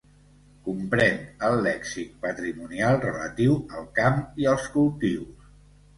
Comprèn el lèxic patrimonial relatiu al camp i als cultius.